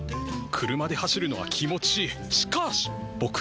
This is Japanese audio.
車で走るのは気持ちいい。